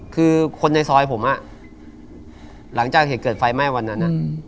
คือคนในซอยผมหลังจากเหตุเกิดไฟไหม้วันนั้น